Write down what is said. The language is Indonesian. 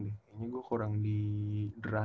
gue kurang di drag